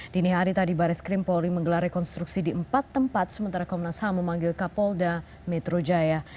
dini hari tadi baris krim polri menggelar rekonstruksi di empat tempat sementara komnas ham memanggil kapolda metro jaya